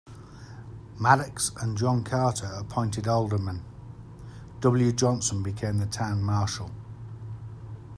Maddox and John Carter appointed aldermen; W. Johnson became the town marshal.